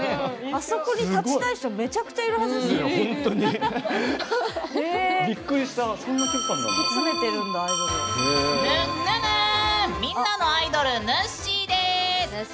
あそこに立ちたい人めちゃくちゃいるはずですよ。